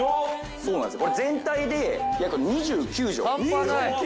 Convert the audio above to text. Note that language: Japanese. そうなんですよ。